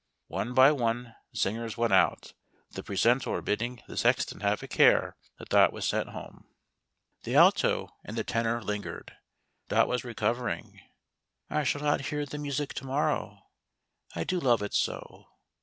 One by one the singers went out, the precentor bid ding the sexton have a care that Dot was sent home. HOW DOT HEARD "THE MESSIAH." 1 7 The Alto and the Tenor lingered. Dot was recovering. " I shall not hear the music to morrow. I do love it so."